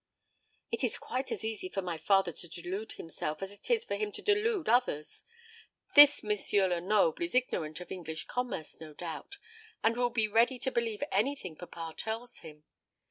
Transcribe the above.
"It is quite as easy for my father to delude himself as it is for him to delude others. This M. Lenoble is ignorant of English commerce, no doubt, and will be ready to believe anything papa tells him.